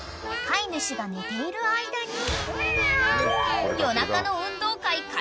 ［飼い主が寝ている間に］